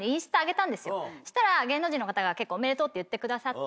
そしたら芸能人の方が結構おめでとうって言ってくださって。